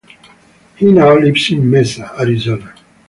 He now lives in Mesa, Arizona.